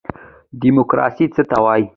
دیموکراسي څه ته وایي؟